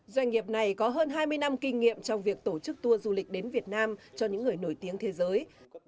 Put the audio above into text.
doanh nghiệp này có hơn hai mươi năm kinh nghiệm trong việc tổ chức tour du lịch đến việt nam cho những người nổi tiếng thế giới